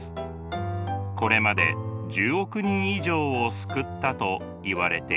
これまで１０億人以上を救ったといわれています。